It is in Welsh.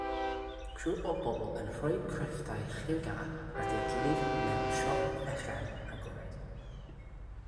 Criw o bobl yn rhoi crefftau lliwgar at ei gilydd mewn siop fechan, agored.